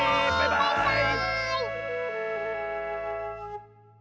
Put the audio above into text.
バイバーイ！